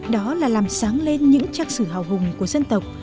đó là làm sáng lên những trang sử hào hùng của dân tộc